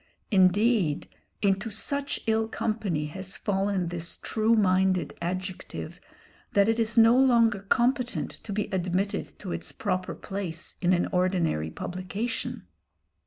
Indeed into such ill company has fallen this true minded adjective, that it is no longer competent to be admitted to its proper place in an ordinary publication.